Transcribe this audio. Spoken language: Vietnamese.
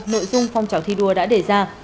nội dung phong trào thi đua đã đề ra